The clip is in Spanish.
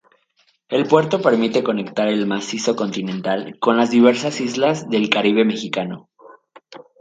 El puerto permite conectar el macizo continental con las diversas islas del Caribe Mexicano.